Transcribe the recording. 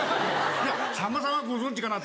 いやさんまさんはご存じかなと思って。